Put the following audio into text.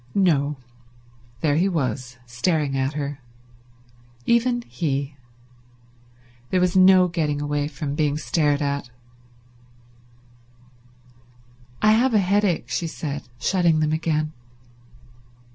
No; there he was, staring at her. Even he. There was no getting away from being stared at. "I have a headache," she said, shutting them again.